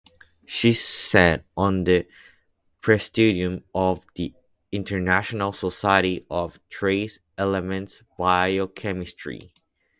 She sat on the presidium of the International Society of Trace Element Biochemistry.